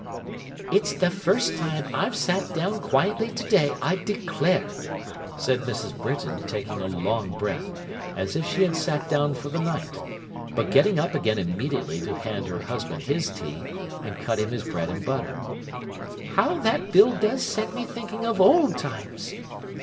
'It's the first time I've sat down quietly to day, I declare,' said Mrs. Britain, taking a long breath, as if she had sat down for the night; but getting up again immediately to hand her husband his tea, and cut him his bread and butter; 'how that bill does set me thinking of old times!